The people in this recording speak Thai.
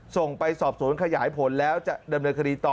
ส่งไปสอบสวนขยายผลแล้วจะดำเนินคดีต่อ